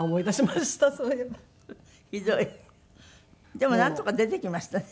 でもなんとか出てきましたね。